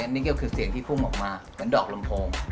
นี่ก็คือเสียงที่พุ่งออกมาเหมือนดอกลำโพง